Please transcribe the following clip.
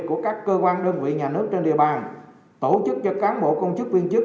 của các cơ quan đơn vị nhà nước trên địa bàn tổ chức cho cán bộ công chức viên chức